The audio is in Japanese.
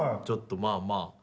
ちょっとまあまあ。